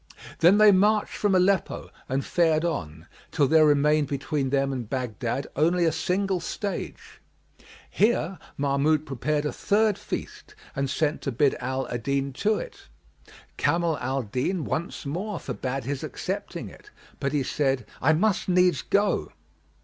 Then they marched from Aleppo and fared on, till there remained between them and Baghdad only a single stage. Here Mahmud prepared a third feast and sent to bid Ala al Din to it: Kamal al Din once more forbade his accepting it, but he said, "I must needs go."